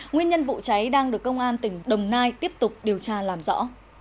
nguyên nhân vụ cháy đang được công an tỉnh đồng nai tiếp tục điều tra làm rõ